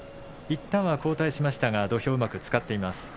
いったんは後退しましたが土俵をうまく使っています。